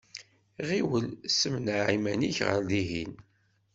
Ɣiwel, ssemneɛ iman-ik ɣer dihin.